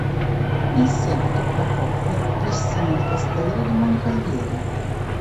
In seguito la coppia visse nel Castello di Moncalieri.